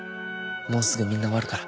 もうすぐみんな終わるから。